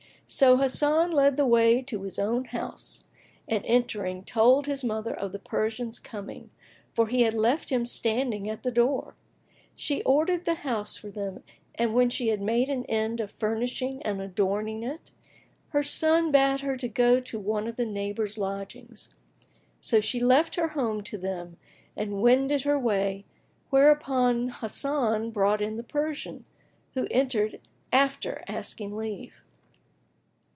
So Hasan led the way to his own house, and entering, told his mother of the Persian's coming, for he had left him standing at the door. She ordered the house for them and when she had made an end of furnishing and adorning it, her son bade her go to one of the neighbours' lodgings. So she left her home to them and wended her way, whereupon Hasan brought in the Persian, who entered after asking leave.